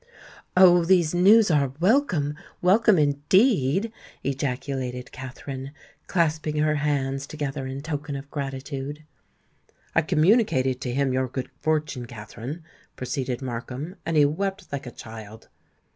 "Oh! these news are welcome—welcome indeed!" ejaculated Katherine, clasping her hands together in token of gratitude. "I communicated to him your good fortune, Katherine," proceeded Markham; "and he wept like a child."